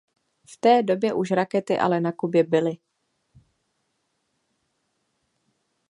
V té době už rakety ale na Kubě byly.